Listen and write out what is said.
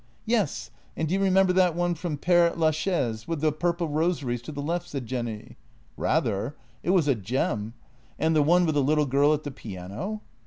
" Yes, and do you remember that one from Pére Lachaise, with the purple rosaries to the left? " said Jenny. "Rather! It was a gem; and the one with the little girl at the piano?